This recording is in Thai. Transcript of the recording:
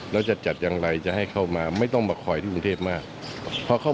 ซึ่งความสมัครแล้ว